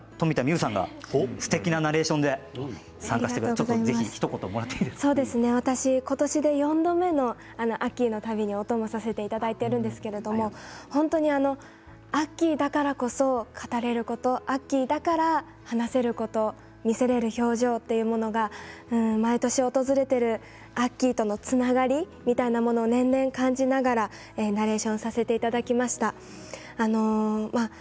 生さんがすてきなナレーションで私、今年で４度目のアッキーの旅にお供させていただいているんですけれど本当にアッキーだからこそ語れることアッキーだから話せること見せられる表情というものが毎年訪れているアッキーとのつながりみたいなもの年々、感じながらナレーションさせていただきました。